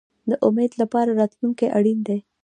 د امید لپاره راتلونکی اړین دی